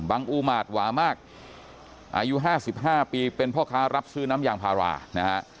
บังอุมาตย์หวามากอายุห้าสิบห้าปีเป็นพ่อค้ารับซื้อน้ำยางภารานะฮะ